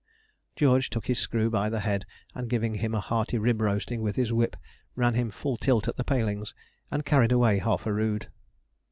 George took his screw by the head, and, giving him a hearty rib roasting with his whip, ran him full tilt at the palings, and carried away half a rood.